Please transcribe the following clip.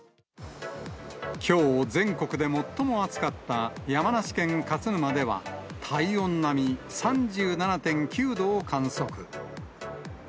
きょう、全国で最も暑かった山梨県勝沼では、体温並み、３７．９度を観測。